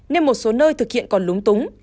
nên một số nơi thực hiện còn lúng túng